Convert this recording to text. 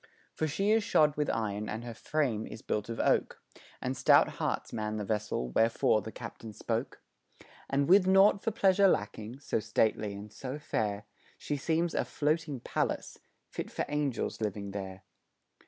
For she is shod with iron and her frame is built of oak, And stout hearts man the vessel, wherefore the captain spoke; And with naught for pleasure lacking, so stately and so fair, She seems a floating palace fit for angels living there.